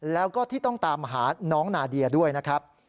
แล้วก็ที่ต้องตามหาน้องนาเดียด้วยนะครับ